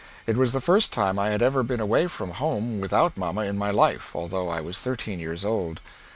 It was the first time I had ever beene away from home without mamma in my life, although I was 13 yrs. old.